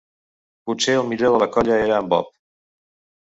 Potser el millor de la colla era en Bob